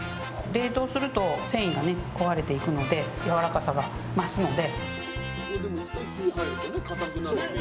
冷凍すると繊維がね壊れていくのでやわらかさが増すので。